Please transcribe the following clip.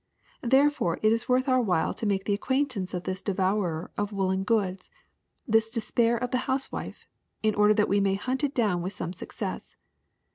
Therefore it is worth our while to make the acquaintance of this devourer of woolen goods, this despair of the housewife, in order that we may hunt it dovm with some success.